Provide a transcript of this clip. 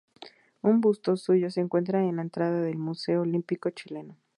Un busto suyo se encuentra en la entrada del Museo Olímpico Chileno.